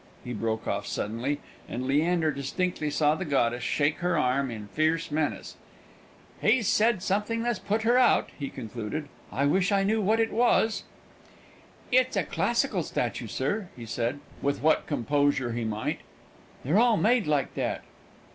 he broke off suddenly; and Leander distinctly saw the goddess shake her arm in fierce menace. "He's said something that's put her out," he concluded. "I wish I knew what it was." "It's a classical statue, sir," he said, with what composure he might; "they're all made like that."